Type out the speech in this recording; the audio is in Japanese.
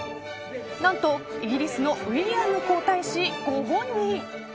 何とイギリスのウィリアム皇太子、ご本人。